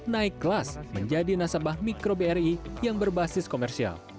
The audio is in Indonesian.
naik kelas menjadi nasabah mikro bri yang berbasis komersial